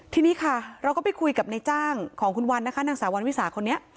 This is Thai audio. ทีนี้ค่ะเราก็ไปคุยกับในจ้างของคุณวันนะคะนางสาววันวิสาคนนี้